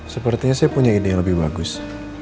sepertinya saya punya ide yang lebih bagus